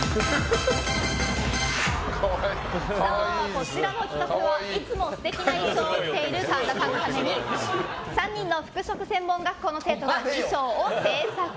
こちらの企画は、いつも素敵な衣装を着ている神田さんのために３人の服飾専門学校の生徒が衣装を制作。